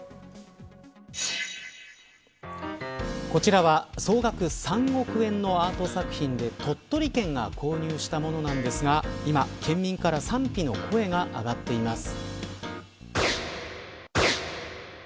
こちらは総額３億円のアート作品で鳥取県が購入したものなんですが今、県民から賛否の声が上がっています。